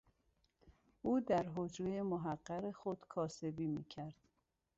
او در حجرهٔ محقر خود کاسبی میکرد